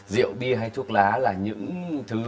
rượu bia hay thuốc lá là những thứ